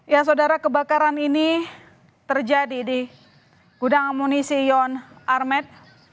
ya saudara kebakaran ini terjadi di gudang amunisi yon armed